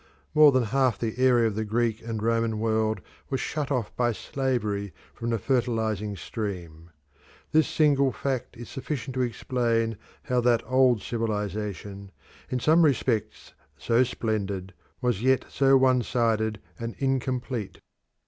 More than half the area of the Greek and Roman world was shut off by slavery from the fertilising stream. This single fact is sufficient to explain how that old civilisation, in some respects so splendid, was yet so one sided and incomplete.